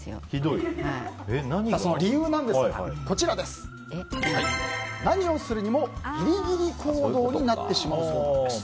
その理由なんですが何をするにもギリギリ行動になってしまうそうなんです。